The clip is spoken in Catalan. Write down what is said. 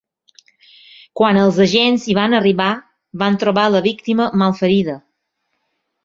Quan els agents hi van arribar, van trobar la víctima malferida.